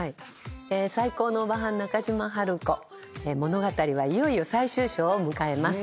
『最高のオバハン中島ハルコ』物語はいよいよ最終章を迎えます。